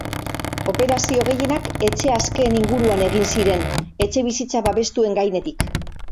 Operazio gehienak etxe askeen inguruan egin ziren, etxebizitza babestuen gainetik.